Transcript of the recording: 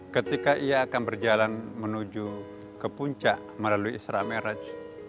ketika ia akan berjalan menuju ke puncak melalui isra merraj